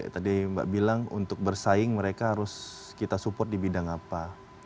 tadi mbak bilang untuk bersaing mereka harus kita support di bidang apa